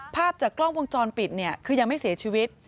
ภาพจากกล้องมุมจรปิดคือยังไม่เสียชีวิต